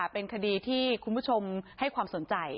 เป็นคดีที่คุณผู้ชมให้ความสนใจ